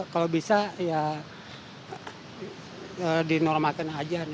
kalau bisa ya dinormalkan aja